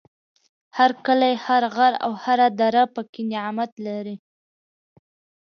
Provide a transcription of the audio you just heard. هر کلی، هر غر او هر دره پکې نعمت لري.